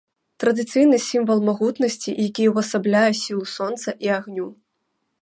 Традыцыйны сімвал магутнасці, які ўвасабляе сілу сонца і агню.